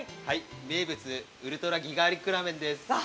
名物・ウルトラギガーリックらーめんです。